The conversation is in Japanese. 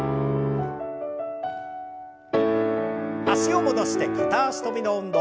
脚を戻して片脚跳びの運動。